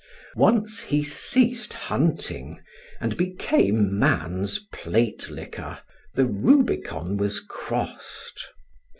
Once he ceased hunting and became man's plate licker, the Rubicon was crossed.